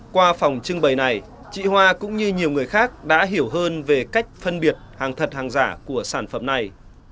qua phòng trưng bày này chị hoa cũng như nhiều người khác đã hiểu hơn về cách phân biệt hàng thật hàng giả của sản phẩm này